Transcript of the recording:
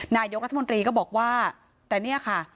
นายกรัฐมนตรีก็บอกว่าแต่เนี่ยค่ะ